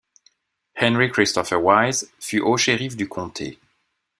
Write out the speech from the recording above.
Henry Christopher Wise, fut haut-shérif du comté.